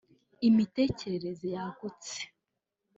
Imitekerereze yagutse